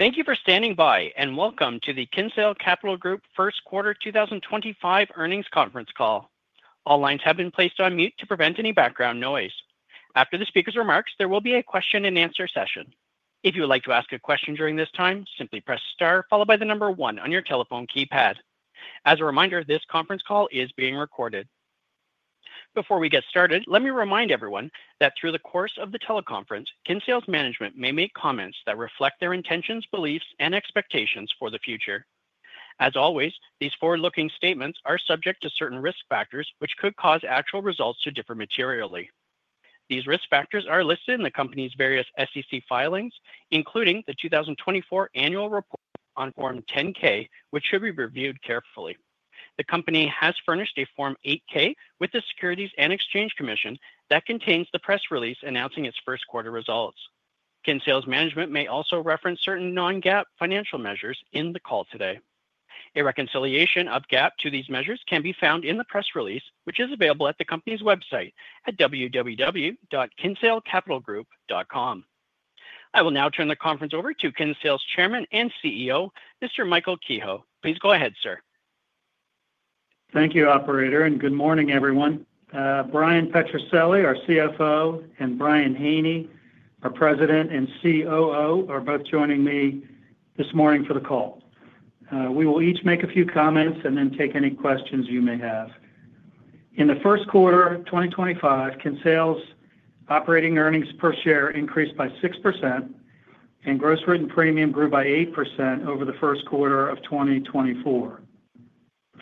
Thank you for standing by, and welcome to the Kinsale Capital Group First Quarter 2025 Earnings Conference Call. All lines have been placed on mute to prevent any background noise. After the speaker's remarks, there will be a question-and-answer session. If you would like to ask a question during this time, simply press star followed by the number one on your telephone keypad. As a reminder, this conference call is being recorded. Before we get started, let me remind everyone that through the course of the teleconference, Kinsale's management may make comments that reflect their intentions, beliefs, and expectations for the future. As always, these forward-looking statements are subject to certain risk factors which could cause actual results to differ materially. These risk factors are listed in the company's various SEC filings, including the 2024 annual report on Form 10-K, which should be reviewed carefully. The company has furnished a Form 8-K with the Securities and Exchange Commission that contains the press release announcing its first quarter results. Kinsale's management may also reference certain non-GAAP financial measures in the call today. A reconciliation of GAAP to these measures can be found in the press release, which is available at the company's website at www.kinsalecapitalgroup.com. I will now turn the conference over to Kinsale's Chairman and CEO, Mr. Michael Kehoe. Please go ahead, sir. Thank you, Operator, and good morning, everyone. Bryan Petrucelli, our CFO, and Brian Haney, our President and COO, are both joining me this morning for the call. We will each make a few comments and then take any questions you may have. In the first quarter of 2025, Kinsale's operating earnings per share increased by 6%, and gross written premium grew by 8% over the first quarter of 2024.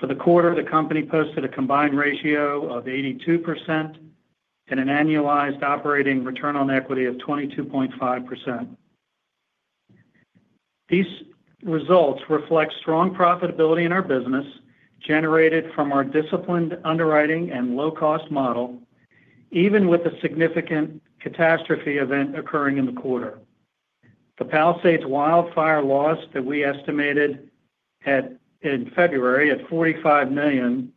For the quarter, the company posted a combined ratio of 82% and an annualized operating return on equity of 22.5%. These results reflect strong profitability in our business generated from our disciplined underwriting and low-cost model, even with a significant catastrophe event occurring in the quarter. The Palisades wildfire loss that we estimated in February at $45 million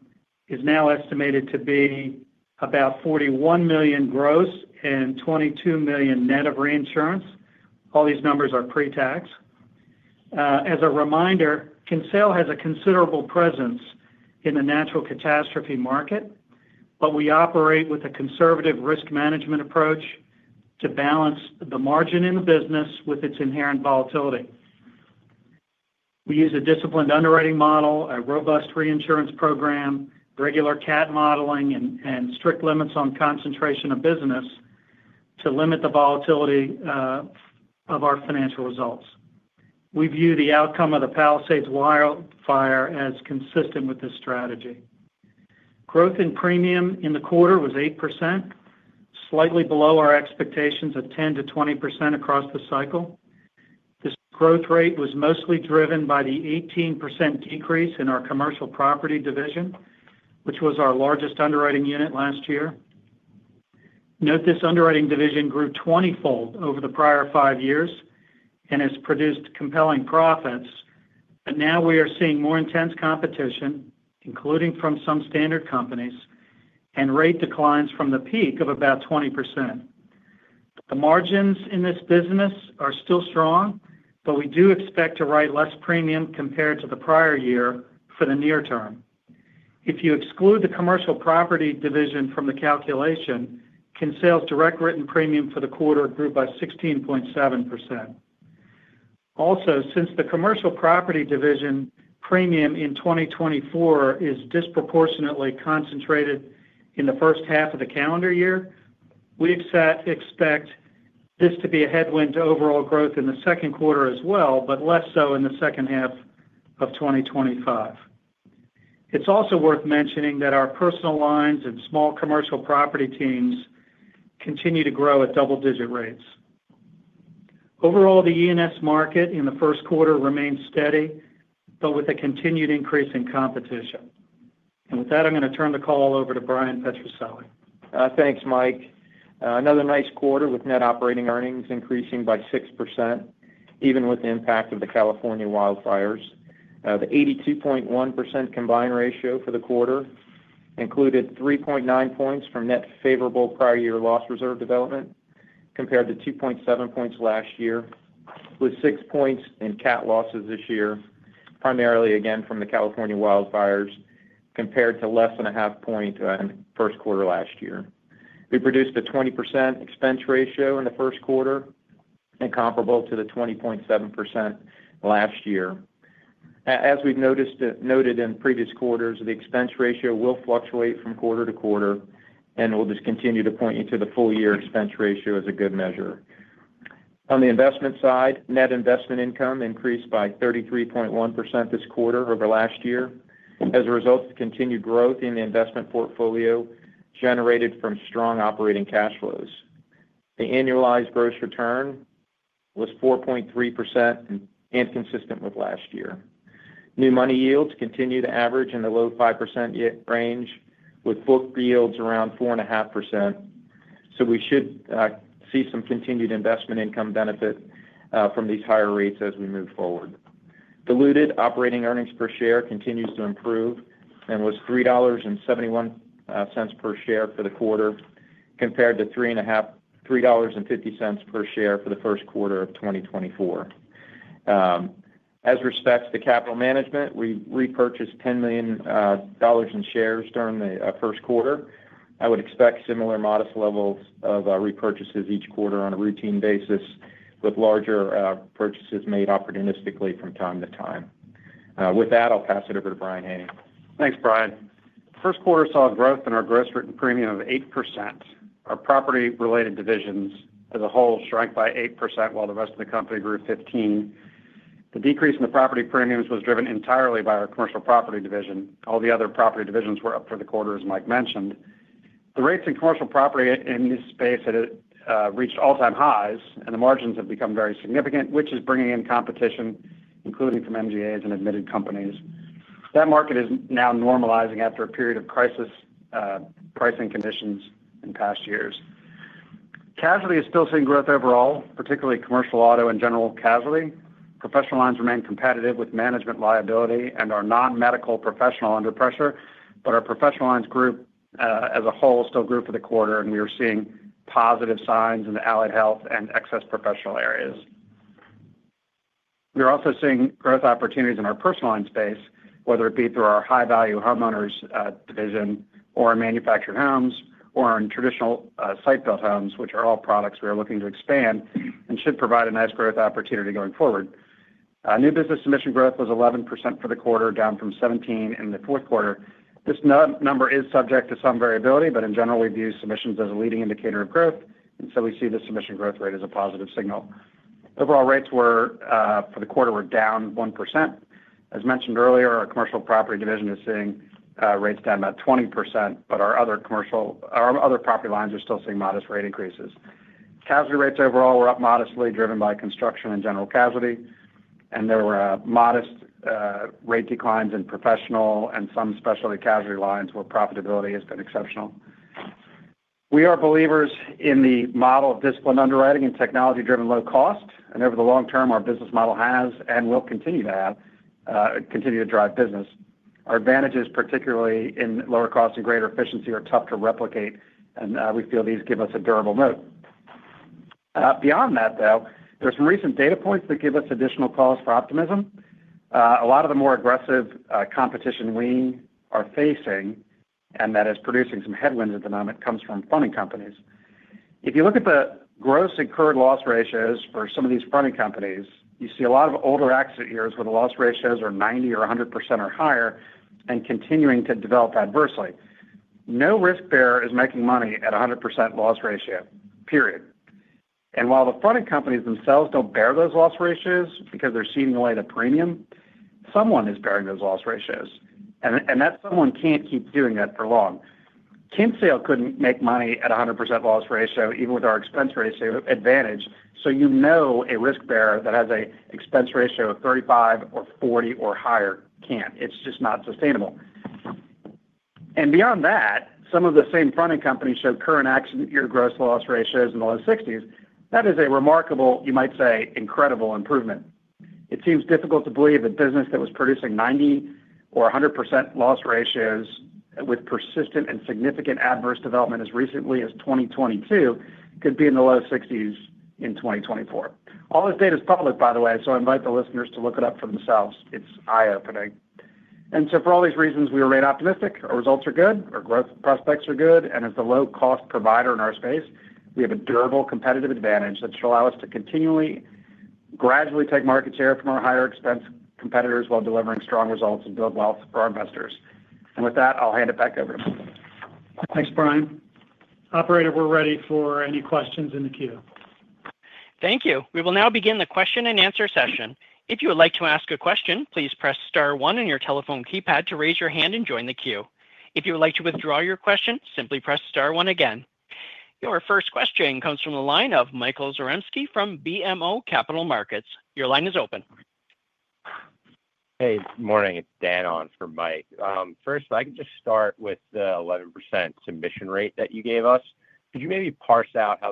is now estimated to be about $41 million gross and $22 million net of reinsurance. All these numbers are pre-tax. As a reminder, Kinsale has a considerable presence in the natural catastrophe market, but we operate with a conservative risk management approach to balance the margin in the business with its inherent volatility. We use a disciplined underwriting model, a robust reinsurance program, regular CAT modeling, and strict limits on concentration of business to limit the volatility of our financial results. We view the outcome of the Palisades wildfire as consistent with this strategy. Growth in premium in the quarter was 8%, slightly below our expectations of 10%-20% across the cycle. This growth rate was mostly driven by the 18% decrease in our commercial property division, which was our largest underwriting unit last year. Note this underwriting division grew 20-fold over the prior five years and has produced compelling profits, but now we are seeing more intense competition, including from some standard companies, and rate declines from the peak of about 20%. The margins in this business are still strong, but we do expect to write less premium compared to the prior year for the near term. If you exclude the commercial property division from the calculation, Kinsale's direct written premium for the quarter grew by 16.7%. Also, since the commercial property division premium in 2024 is disproportionately concentrated in the first half of the calendar year, we expect this to be a headwind to overall growth in the second quarter as well, but less so in the second half of 2025. It's also worth mentioning that our personal lines and small commercial property teams continue to grow at double-digit rates. Overall, the E&S market in the first quarter remained steady, with a continued increase in competition. With that, I'm going to turn the call over to Bryan Petrucelli. Thanks, Mike. Another nice quarter with net operating earnings increasing by 6%, even with the impact of the California wildfires. The 82.1% combined ratio for the quarter included 3.9 points from net favorable prior-year loss reserve development compared to 2.7 points last year, with 6 points in CAT losses this year, primarily again from the California wildfires compared to less than a half point in the first quarter last year. We produced a 20% expense ratio in the first quarter and comparable to the 20.7% last year. As we've noted in previous quarters, the expense ratio will fluctuate from quarter to quarter, and we'll just continue to point you to the full-year expense ratio as a good measure. On the investment side, net investment income increased by 33.1% this quarter over last year as a result of continued growth in the investment portfolio generated from strong operating cash flows. The annualized gross return was 4.3% and consistent with last year. New money yields continue to average in the low 5% range, with book yields around 4.5%. We should see some continued investment income benefit from these higher rates as we move forward. Diluted operating earnings per share continues to improve and was $3.71 per share for the quarter compared to $3.50 per share for the first quarter of 2024. As respects to capital management, we repurchased $10 million in shares during the first quarter. I would expect similar modest levels of repurchases each quarter on a routine basis, with larger purchases made opportunistically from time to time. With that, I'll pass it over to Brian Haney. Thanks, Brian. First quarter saw growth in our gross written premium of 8%. Our property-related divisions as a whole shrank by 8% while the rest of the company grew 15%. The decrease in the property premiums was driven entirely by our commercial property division. All the other property divisions were up for the quarter, as Mike mentioned. The rates in commercial property in this space had reached all-time highs, and the margins have become very significant, which is bringing in competition, including from MGAs and admitted companies. That market is now normalizing after a period of crisis pricing conditions in past years. Casualty is still seeing growth overall, particularly commercial auto and general casualty. Professional lines remain competitive with management liability and are non-medical professional under pressure, but our professional lines group as a whole still grew for the quarter, and we are seeing positive signs in the allied health and excess professional areas. We are also seeing growth opportunities in our personal line space, whether it be through our high-value homeowners division or in manufactured homes or in traditional site-built homes, which are all products we are looking to expand and should provide a nice growth opportunity going forward. New business submission growth was 11% for the quarter, down from 17% in the fourth quarter. This number is subject to some variability, but in general, we view submissions as a leading indicator of growth, and so we see the submission growth rate as a positive signal. Overall, rates for the quarter were down 1%. As mentioned earlier, our commercial property division is seeing rates down about 20%, but our other property lines are still seeing modest rate increases. Casualty rates overall were up modestly, driven by construction and general casualty, and there were modest rate declines in professional and some specialty casualty lines where profitability has been exceptional. We are believers in the model of disciplined underwriting and technology-driven low cost, and over the long term, our business model has and will continue to drive business. Our advantages, particularly in lower cost and greater efficiency, are tough to replicate, and we feel these give us a durable moat. Beyond that, though, there are some recent data points that give us additional cause for optimism. A lot of the more aggressive competition we are facing, and that is producing some headwinds at the moment, comes from fronting companies. If you look at the gross incurred loss ratios for some of these fronting companies, you see a lot of older accident years where the loss ratios are 90% or 100% or higher and continuing to develop adversely. No risk bearer is making money at a 100% loss ratio, period. While the fronting companies themselves do not bear those loss ratios because they are ceding away the premium, someone is bearing those loss ratios, and that someone cannot keep doing that for long. Kinsale could not make money at a 100% loss ratio, even with our expense ratio advantage, so you know a risk bearer that has an expense ratio of 35% or 40% or higher cannot. It is just not sustainable. Beyond that, some of the same fronting companies show current accident year gross loss ratios in the low 60%. That is a remarkable, you might say, incredible improvement. It seems difficult to believe that business that was producing 90% or 100% loss ratios with persistent and significant adverse development as recently as 2022 could be in the low 60s in 2024. All this data is public, by the way, so I invite the listeners to look it up for themselves. It is eye-opening. For all these reasons, we are rate optimistic. Our results are good. Our growth prospects are good. As the low-cost provider in our space, we have a durable competitive advantage that should allow us to continually gradually take market share from our higher expense competitors while delivering strong results and build wealth for our investors. With that, I will hand it back over to Mike. Thanks, Brian. Operator, we are ready for any questions in the queue. Thank you. We will now begin the question and answer session. If you would like to ask a question, please press star one on your telephone keypad to raise your hand and join the queue. If you would like to withdraw your question, simply press star one again. Your first question comes from the line of Michael Zaremski from BMO Capital Markets. Your line is open. Hey, good morning. It's Dan Ong for Mike. First, I can just start with the 11% submission rate that you gave us. Could you maybe parse out how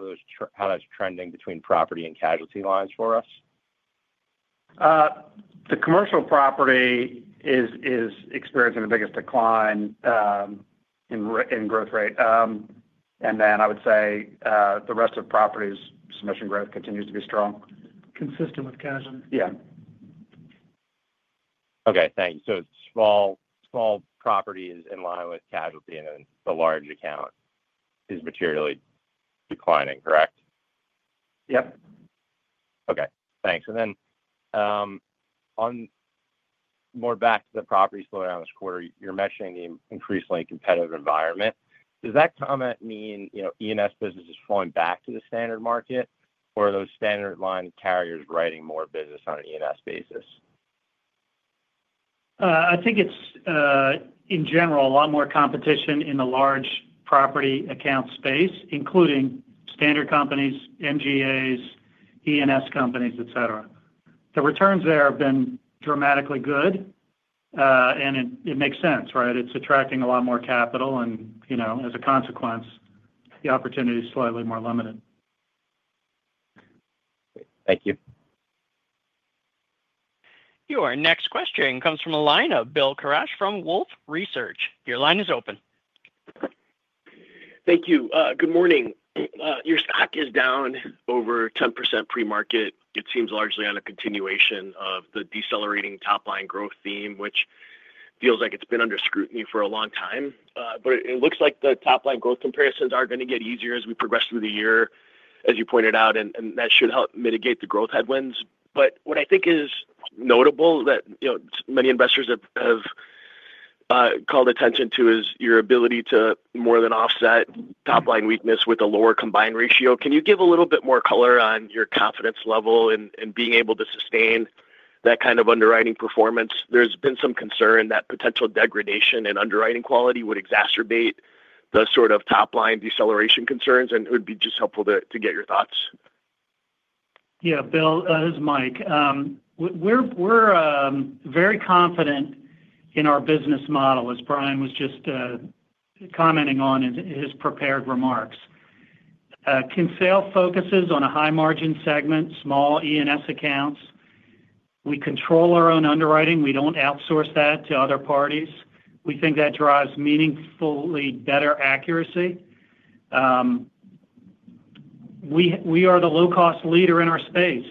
that's trending between property and casualty lines for us? The commercial property is experiencing the biggest decline in growth rate. I would say the rest of property's submission growth continues to be strong. Consistent with casualty. Yeah. Okay. Thanks. Small property is in line with casualty, and then the large account is materially declining, correct? Yep. Okay. Thanks. More back to the property slowdown this quarter, you're mentioning the increasingly competitive environment. Does that comment mean E&S business is falling back to the standard market, or are those standard line carriers writing more business on an E&S basis? I think it's, in general, a lot more competition in the large property account space, including standard companies, MGAs, E&S companies, etc. The returns there have been dramatically good, and it makes sense, right? It's attracting a lot more capital, and as a consequence, the opportunity is slightly more limited. Thank you. Your next question comes from Bill Carcache from Wolfe Research. Your line is open. Thank you. Good morning. Your stock is down over 10% pre-market. It seems largely on a continuation of the decelerating top-line growth theme, which feels like it's been under scrutiny for a long time. It looks like the top-line growth comparisons are going to get easier as we progress through the year, as you pointed out, and that should help mitigate the growth headwinds. What I think is notable that many investors have called attention to is your ability to more than offset top-line weakness with a lower combined ratio. Can you give a little bit more color on your confidence level in being able to sustain that kind of underwriting performance? There has been some concern that potential degradation in underwriting quality would exacerbate the sort of top-line deceleration concerns, and it would be just helpful to get your thoughts. Yeah, Bill, this is Mike. We're very confident in our business model, as Brian was just commenting on in his prepared remarks. Kinsale focuses on a high-margin segment, small E&S accounts. We control our own underwriting. We don't outsource that to other parties. We think that drives meaningfully better accuracy. We are the low-cost leader in our space.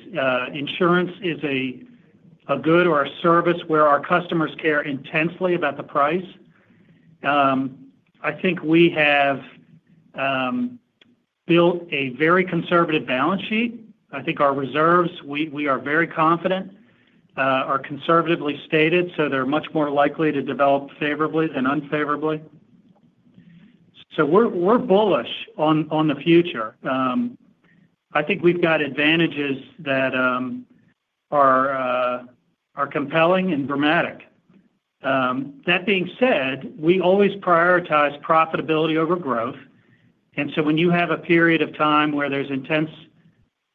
Insurance is a good or a service where our customers care intensely about the price. I think we have built a very conservative balance sheet. I think our reserves, we are very confident, are conservatively stated, so they're much more likely to develop favorably than unfavorably. We're bullish on the future. I think we've got advantages that are compelling and dramatic. That being said, we always prioritize profitability over growth. When you have a period of time where there's intense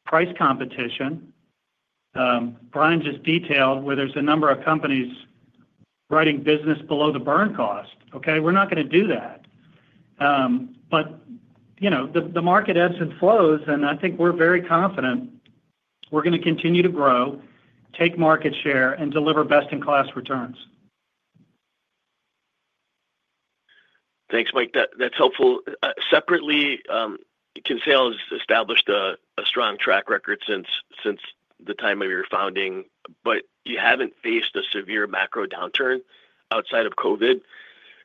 price competition, Brian just detailed where there's a number of companies writing business below the burn cost. Okay, we're not going to do that. The market ebbs and flows, and I think we're very confident we're going to continue to grow, take market share, and deliver best-in-class returns. Thanks, Mike. That's helpful. Separately, Kinsale has established a strong track record since the time of your founding, but you haven't faced a severe macro downturn outside of COVID.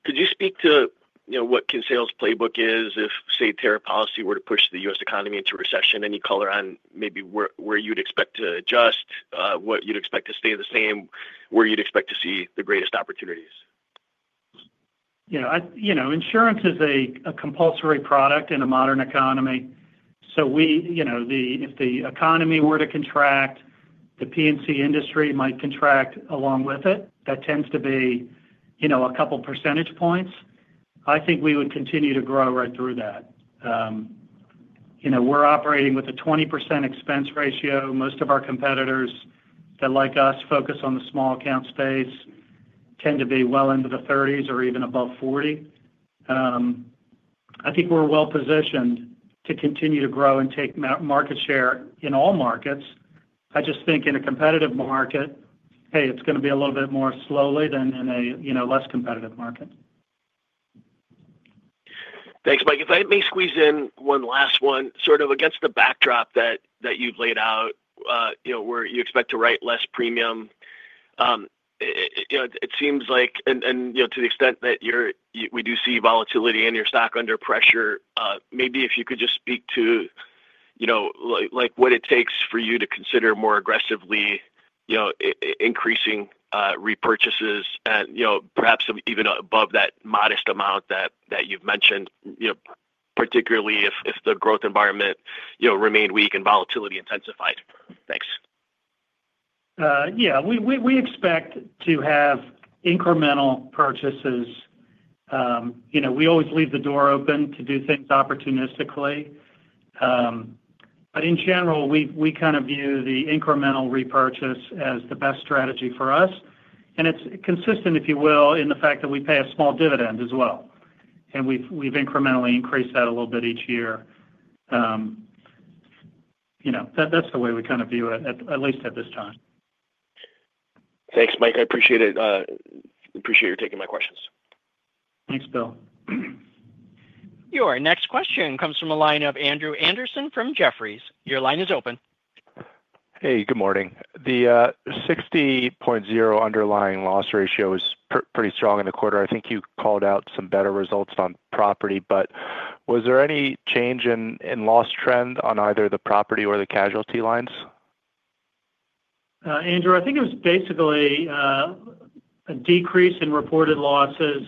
Could you speak to what Kinsale's playbook is if, say, tariff policy were to push the U.S. economy into recession? Any color on maybe where you'd expect to adjust, what you'd expect to stay the same, where you'd expect to see the greatest opportunities? Insurance is a compulsory product in a modern economy. If the economy were to contract, the P&C industry might contract along with it. That tends to be a couple percentage points. I think we would continue to grow right through that. We're operating with a 20% expense ratio. Most of our competitors that, like us, focus on the small account space tend to be well into the 30s or even above 40. I think we're well positioned to continue to grow and take market share in all markets. I just think in a competitive market, hey, it's going to be a little bit more slowly than in a less competitive market. Thanks, Mike. If I may squeeze in one last one, sort of against the backdrop that you've laid out where you expect to write less premium, it seems like, and to the extent that we do see volatility in your stock under pressure, maybe if you could just speak to what it takes for you to consider more aggressively increasing repurchases and perhaps even above that modest amount that you've mentioned, particularly if the growth environment remained weak and volatility intensified. Thanks. Yeah. We expect to have incremental purchases. We always leave the door open to do things opportunistically. In general, we kind of view the incremental repurchase as the best strategy for us. It is consistent, if you will, in the fact that we pay a small dividend as well. We have incrementally increased that a little bit each year. That is the way we kind of view it, at least at this time. Thanks, Mike. I appreciate it. Appreciate your taking my questions. Thanks, Bill. Your next question comes from a line of Andrew Andersen from Jefferies. Your line is open. Hey, good morning. The 60.0% underlying loss ratio is pretty strong in the quarter. I think you called out some better results on property, but was there any change in loss trend on either the property or the casualty lines? Andrew, I think it was basically a decrease in reported losses,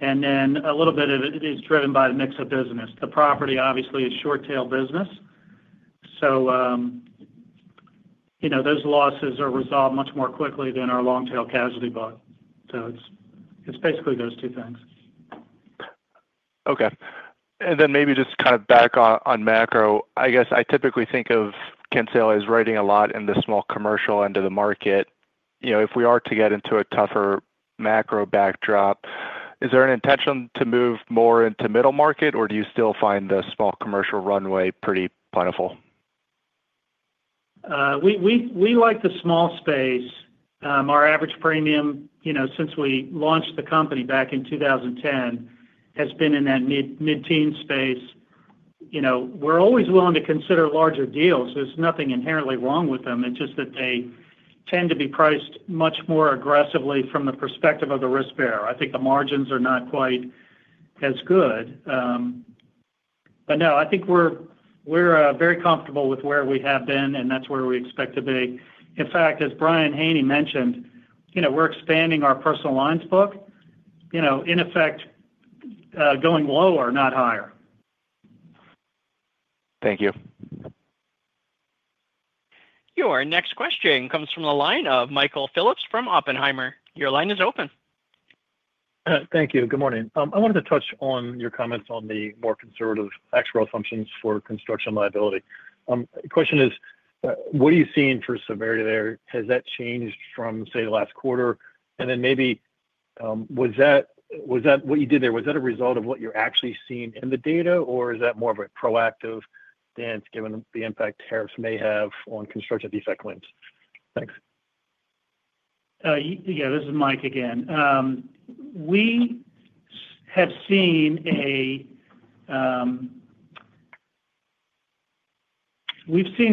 and then a little bit of it is driven by the mix of business. The property, obviously, is short-tail business. So those losses are resolved much more quickly than our long-tail casualty book. It is basically those two things. Okay. And then maybe just kind of back on macro, I guess I typically think of Kinsale as writing a lot in the small commercial end of the market. If we are to get into a tougher macro backdrop, is there an intention to move more into middle market, or do you still find the small commercial runway pretty plentiful? We like the small space. Our average premium, since we launched the company back in 2010, has been in that mid-teen space. We're always willing to consider larger deals. There's nothing inherently wrong with them. It's just that they tend to be priced much more aggressively from the perspective of the risk bearer. I think the margins are not quite as good. No, I think we're very comfortable with where we have been, and that's where we expect to be. In fact, as Brian Haney mentioned, we're expanding our personal lines book, in effect, going lower, not higher. Thank you. Your next question comes from a line of Michael Phillips from Oppenheimer. Your line is open. Thank you. Good morning. I wanted to touch on your comments on the more conservative actuarial assumptions for construction liability. The question is, what are you seeing for severity there? Has that changed from, say, the last quarter? Maybe, was that what you did there, was that a result of what you are actually seeing in the data, or is that more of a proactive stance given the impact tariffs may have on construction defect claims? Thanks. Yeah, this is Mike again. We have seen a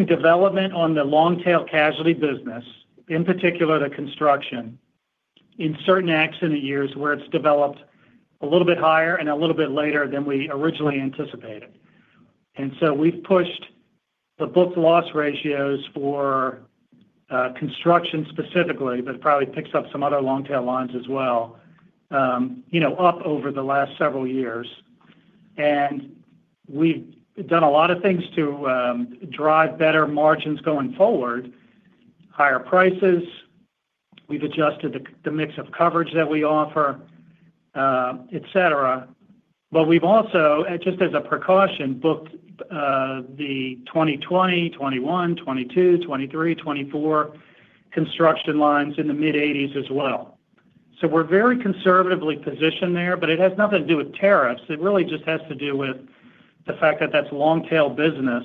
development on the long-tail casualty business, in particular the construction, in certain acts in the years where it's developed a little bit higher and a little bit later than we originally anticipated. We have pushed the book loss ratios for construction specifically, but it probably picks up some other long-tail lines as well, up over the last several years. We have done a lot of things to drive better margins going forward, higher prices. We have adjusted the mix of coverage that we offer, etc. We have also, just as a precaution, booked the 2020, 2021, 2022, 2023, 2024 construction lines in the mid-80s as well. We are very conservatively positioned there, but it has nothing to do with tariffs. It really just has to do with the fact that that's long-tail business,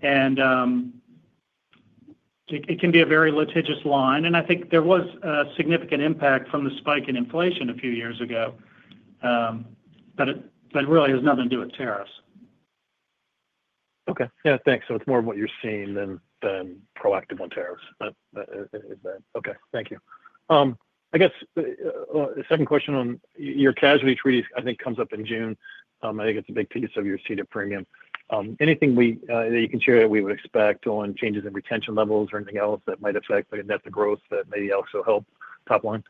and it can be a very litigious line. I think there was a significant impact from the spike in inflation a few years ago, but it really has nothing to do with tariffs. Okay. Yeah, thanks. It is more of what you are seeing than proactive on tariffs. Okay. Thank you. I guess the second question on your casualty treaties I think comes up in June. I think it is a big piece of your ceded premium. Anything that you can share that we would expect on changes in retention levels or anything else that might affect the net growth that maybe also help top line?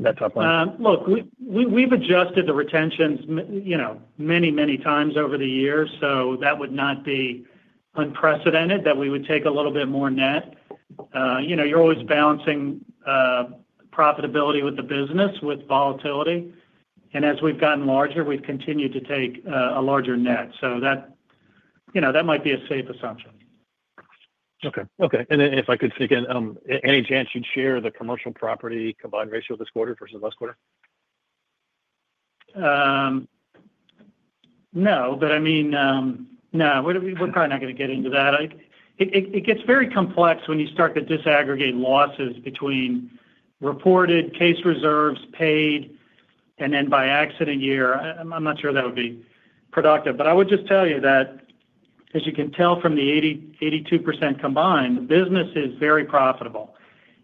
Look, we've adjusted the retentions many, many times over the years, so that would not be unprecedented that we would take a little bit more net. You're always balancing profitability with the business with volatility. As we've gotten larger, we've continued to take a larger net. That might be a safe assumption. Okay. Okay. If I could speak in, any chance you'd share the commercial property combined ratio this quarter versus last quarter? No, but I mean, no, we're probably not going to get into that. It gets very complex when you start to disaggregate losses between reported case reserves paid and then by accident year. I'm not sure that would be productive. I would just tell you that, as you can tell from the 82% combined, the business is very profitable.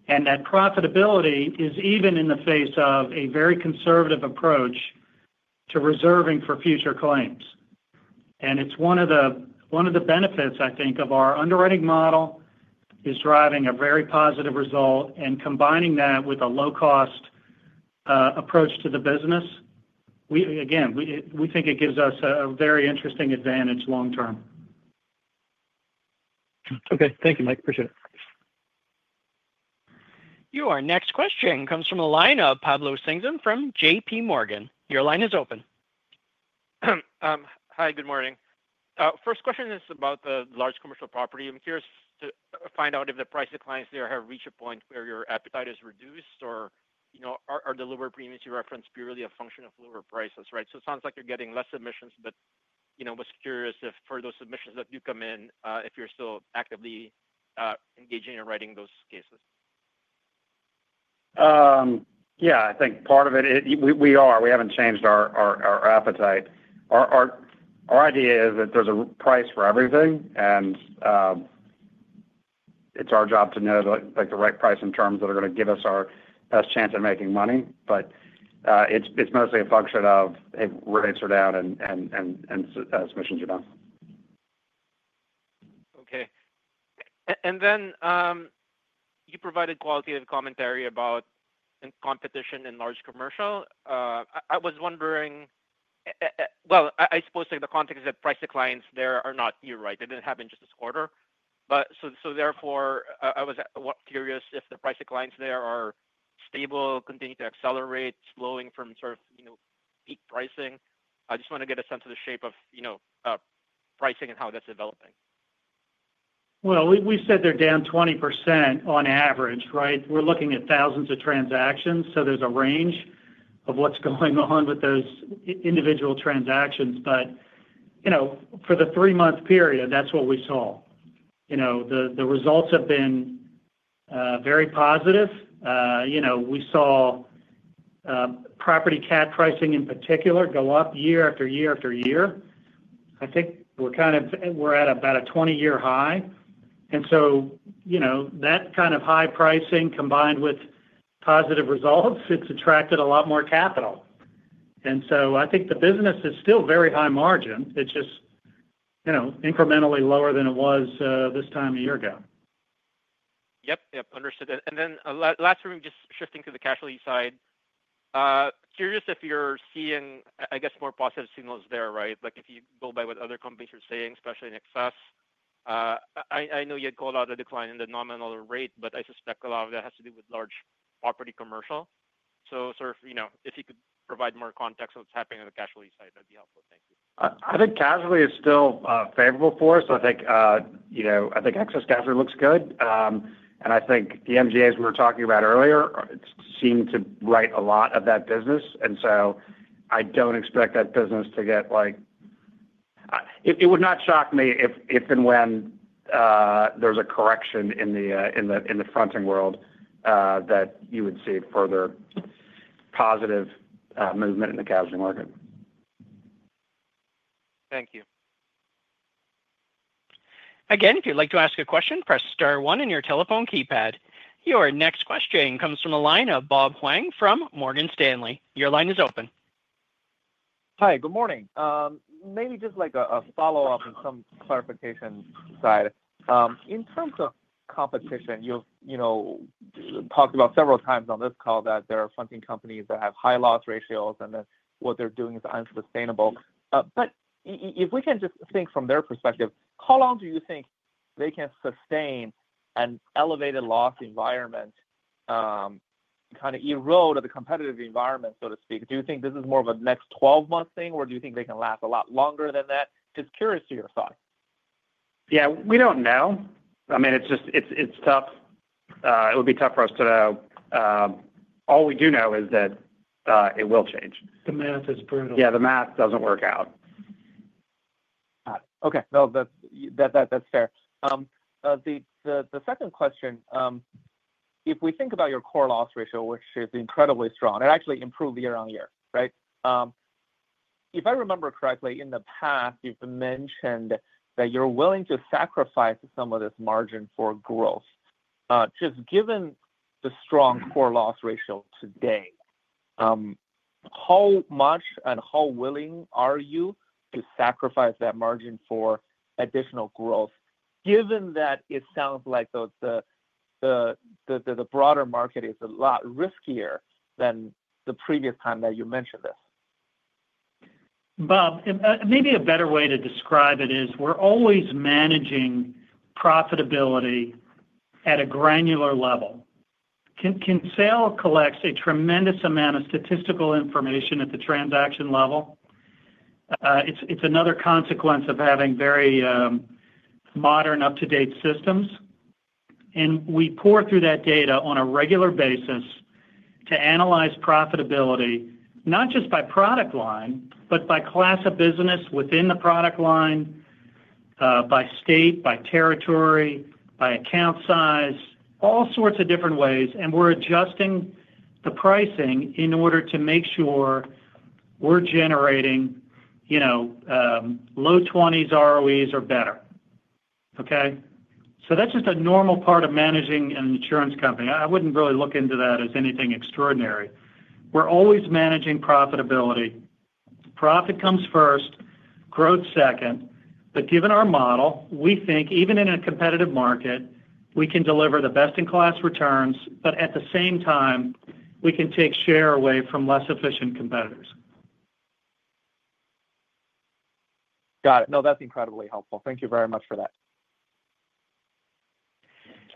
That profitability is even in the face of a very conservative approach to reserving for future claims. It is one of the benefits, I think, of our underwriting model, driving a very positive result and combining that with a low-cost approach to the business. Again, we think it gives us a very interesting advantage long-term. Okay. Thank you, Mike. Appreciate it. Your next question comes from a line of Pablo Singzon from JPMorgan. Your line is open. Hi, good morning. First question is about the large commercial property. I'm curious to find out if the price declines there have reached a point where your appetite is reduced or are the lower premiums you referenced purely a function of lower prices, right? It sounds like you're getting less submissions, but I was curious if for those submissions that do come in, if you're still actively engaging in writing those cases. Yeah, I think part of it, we are. We haven't changed our appetite. Our idea is that there's a price for everything, and it's our job to know the right price and terms that are going to give us our best chance at making money. It is mostly a function of, hey, rates are down and submissions are down. Okay. You provided qualitative commentary about competition in large commercial. I was wondering, I suppose the context is that price declines there are not, you're right, they did not happen just this quarter. Therefore, I was curious if the price declines there are stable, continue to accelerate, slowing from sort of peak pricing. I just want to get a sense of the shape of pricing and how that's developing. We said they're down 20% on average, right? We're looking at thousands of transactions, so there's a range of what's going on with those individual transactions. For the three-month period, that's what we saw. The results have been very positive. We saw property cat pricing in particular go up year-after-year-after-year. I think we're kind of at about a 20-year high. That kind of high pricing combined with positive results has attracted a lot more capital. I think the business is still very high margin. It's just incrementally lower than it was this time a year ago. Yep. Yep. Understood. Last one, just shifting to the casualty side. Curious if you're seeing, I guess, more positive signals there, right? If you go by what other companies are saying, especially in excess. I know you had called out a decline in the nominal rate, but I suspect a lot of that has to do with large property commercial. If you could provide more context of what's happening on the casualty side, that'd be helpful. Thank you. I think casualty is still favorable for us. I think excess casualty looks good. I think the MGAs we were talking about earlier seem to write a lot of that business. I do not expect that business to get like it would not shock me if and when there is a correction in the fronting world that you would see further positive movement in the casualty market. Thank you. Again, if you'd like to ask a question, press star one on your telephone keypad. Your next question comes from the line of Bob Huang from Morgan Stanley. Your line is open. Hi, good morning. Maybe just like a follow-up and some clarification side. In terms of competition, you've talked about several times on this call that there are fronting companies that have high loss ratios, and then what they're doing is unsustainable. If we can just think from their perspective, how long do you think they can sustain an elevated loss environment, kind of erode the competitive environment, so to speak? Do you think this is more of a next 12-month thing, or do you think they can last a lot longer than that? Just curious to your thought. Yeah, we don't know. I mean, it's tough. It would be tough for us to know. All we do know is that it will change. The math is brutal. Yeah, the math does not work out. Got it. Okay. No, that is fair. The second question, if we think about your core loss ratio, which is incredibly strong, it actually improved year-on-year, right? If I remember correctly, in the past, you have mentioned that you are willing to sacrifice some of this margin for growth. Just given the strong core loss ratio today, how much and how willing are you to sacrifice that margin for additional growth, given that it sounds like the broader market is a lot riskier than the previous time that you mentioned this? Bob, maybe a better way to describe it is we're always managing profitability at a granular level. Kinsale collects a tremendous amount of statistical information at the transaction level. It's another consequence of having very modern, up-to-date systems. We pour through that data on a regular basis to analyze profitability, not just by product line, but by class of business within the product line, by state, by territory, by account size, all sorts of different ways. We're adjusting the pricing in order to make sure we're generating low 20s ROEs or better. Okay? That's just a normal part of managing an insurance company. I wouldn't really look into that as anything extraordinary. We're always managing profitability. Profit comes first, growth second. Given our model, we think even in a competitive market, we can deliver the best-in-class returns, but at the same time, we can take share away from less efficient competitors. Got it. No, that's incredibly helpful. Thank you very much for that.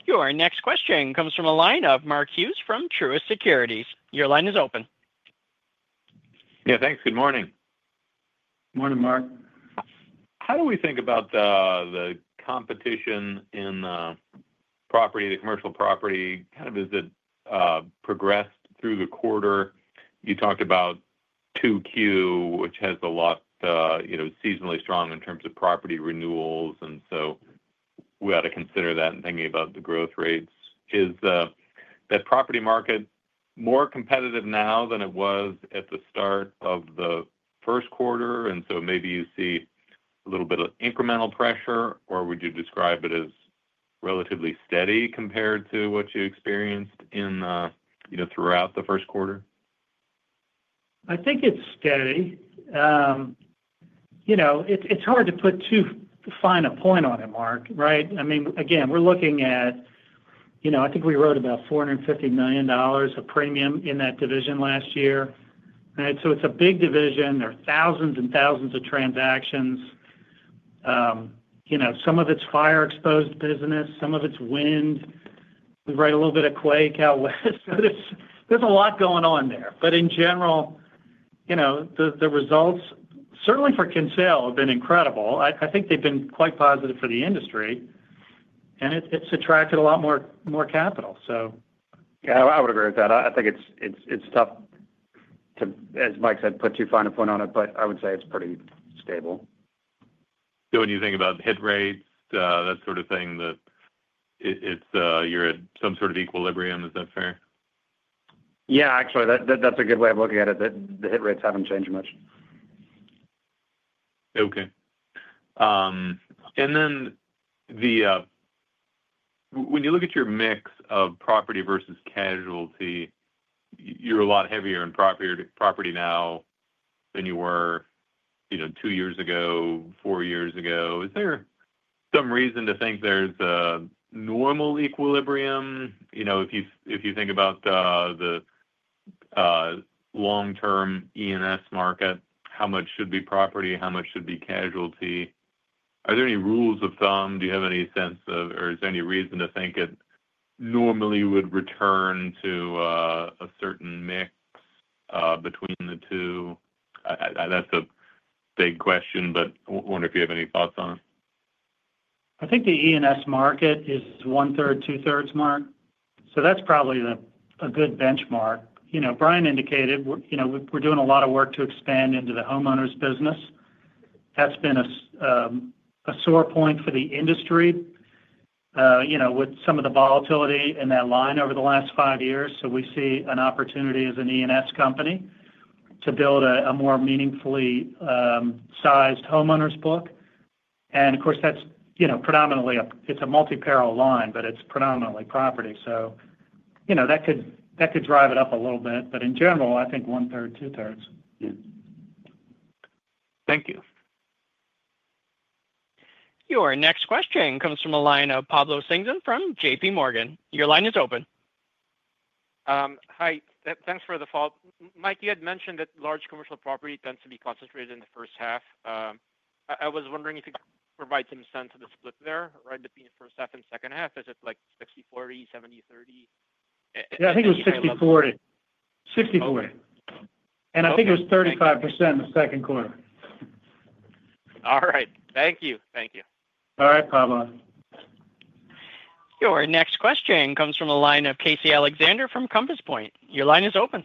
Your next question comes from a line of Mark Hughes from Truist Securities. Your line is open. Yeah, thanks. Good morning. Good morning, Mark. How do we think about the competition in the commercial property? Kind of has it progressed through the quarter? You talked about 2Q, which has a lot seasonally strong in terms of property renewals. We ought to consider that in thinking about the growth rates. Is that property market more competitive now than it was at the start of the first quarter? Maybe you see a little bit of incremental pressure, or would you describe it as relatively steady compared to what you experienced throughout the first quarter? I think it's steady. It's hard to put too fine a point on it, Mark, right? I mean, again, we're looking at I think we wrote about $450 million of premium in that division last year. It's a big division. There are thousands and thousands of transactions. Some of it's fire-exposed business. Some of it's wind. We write a little bit of quake, out west. There's a lot going on there. In general, the results, certainly for Kinsale, have been incredible. I think they've been quite positive for the industry, and it's attracted a lot more capital, so. Yeah, I would agree with that. I think it's tough to, as Mike said, put too fine a point on it, but I would say it's pretty stable. When you think about hit rates, that sort of thing, that you're at some sort of equilibrium, is that fair? Yeah, actually, that's a good way of looking at it. The hit rates haven't changed much. Okay. When you look at your mix of property versus casualty, you're a lot heavier in property now than you were two years ago, four years ago. Is there some reason to think there's a normal equilibrium? If you think about the long-term E&S market, how much should be property? How much should be casualty? Are there any rules of thumb? Do you have any sense of, or is there any reason to think it normally would return to a certain mix between the two? That's a big question, but I wonder if you have any thoughts on it. I think the E&S market is one-third, two-thirds, Mark. That's probably a good benchmark. Brian indicated we're doing a lot of work to expand into the homeowners business. That's been a sore point for the industry with some of the volatility in that line over the last five years. We see an opportunity as an E&S company to build a more meaningfully sized homeowners book. Of course, that's predominantly a multi-peril line, but it's predominantly property. That could drive it up a little bit. In general, I think one-third, two-thirds. Yeah. Thank you. Your next question comes from a line of Pablo Singzon from JPMorgan. Your line is open. Hi. Thanks for the follow-up. Mike, you had mentioned that large commercial property tends to be concentrated in the first half. I was wondering if you could provide some sense of the split there, right, between the first half and second half? Is it like 60/40, 70/30? Yeah, I think it was 60/40. 60/40. I think it was 35% in the second quarter. All right. Thank you. Thank you. All right, Pablo. Your next question comes from a line of Casey Alexander from Compass Point. Your line is open.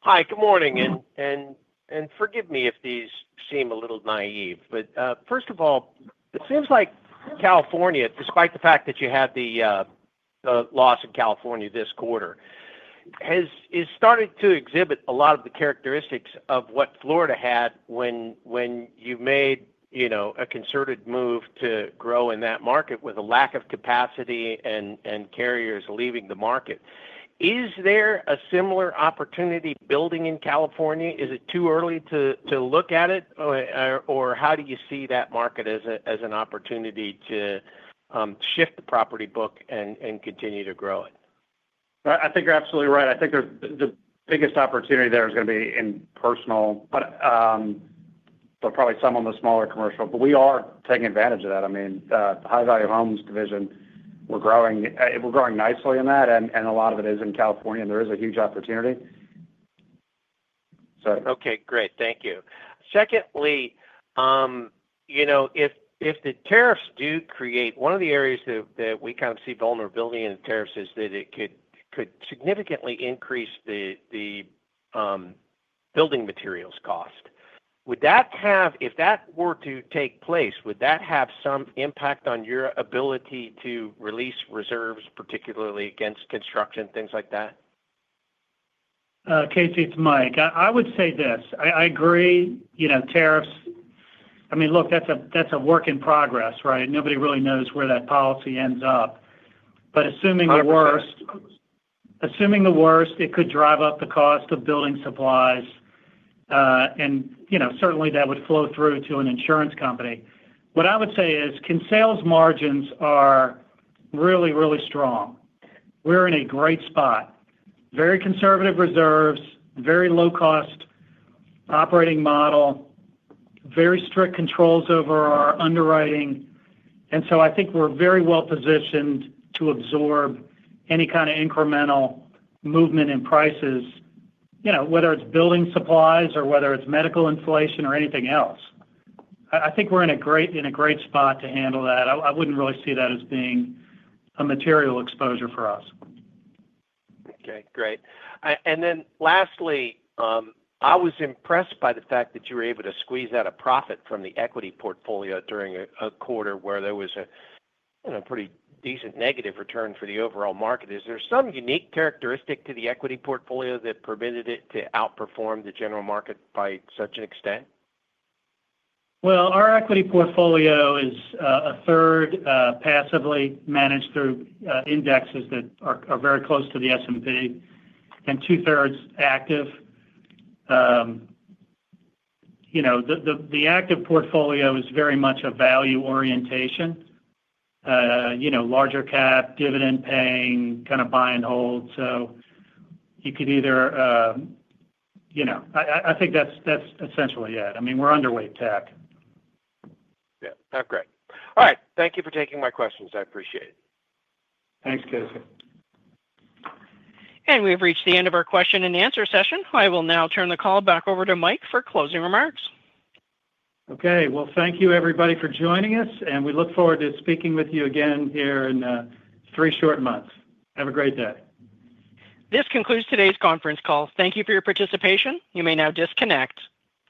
Hi, good morning. Forgive me if these seem a little naive, but first of all, it seems like California, despite the fact that you had the loss in California this quarter, has started to exhibit a lot of the characteristics of what Florida had when you made a concerted move to grow in that market with a lack of capacity and carriers leaving the market. Is there a similar opportunity building in California? Is it too early to look at it, or how do you see that market as an opportunity to shift the property book and continue to grow it? I think you're absolutely right. I think the biggest opportunity there is going to be in personal, but probably some of the smaller commercial. We are taking advantage of that. I mean, the high-value homes division, we're growing nicely in that, and a lot of it is in California, and there is a huge opportunity. Okay. Great. Thank you. Secondly, if the tariffs do create one of the areas that we kind of see vulnerability in the tariffs is that it could significantly increase the building materials cost. If that were to take place, would that have some impact on your ability to release reserves, particularly against construction, things like that? Casey, it's Mike. I would say this. I agree. Tariffs, I mean, look, that's a work in progress, right? Nobody really knows where that policy ends up. Assuming the worst, it could drive up the cost of building supplies. Certainly, that would flow through to an insurance company. What I would say is Kinsale's margins are really, really strong. We're in a great spot. Very conservative reserves, very low-cost operating model, very strict controls over our underwriting. I think we're very well positioned to absorb any kind of incremental movement in prices, whether it's building supplies or whether it's medical inflation or anything else. I think we're in a great spot to handle that. I wouldn't really see that as being a material exposure for us. Okay. Great. Lastly, I was impressed by the fact that you were able to squeeze out a profit from the equity portfolio during a quarter where there was a pretty decent negative return for the overall market. Is there some unique characteristic to the equity portfolio that permitted it to outperform the general market by such an extent? Our equity portfolio is a third passively managed through indexes that are very close to the S&P and two-thirds active. The active portfolio is very much a value orientation, larger cap, dividend-paying, kind of buy and hold. I think that's essentially it. I mean, we're underweight tech. Yeah. That's great. All right. Thank you for taking my questions. I appreciate it. Thanks, Casey. We have reached the end of our question and answer session. I will now turn the call back over to Mike for closing remarks. Thank you, everybody, for joining us. We look forward to speaking with you again here in three short months. Have a great day. This concludes today's conference call. Thank you for your participation. You may now disconnect.